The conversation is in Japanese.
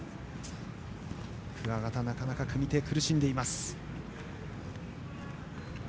桑形、なかなか組み手で苦しんでいます。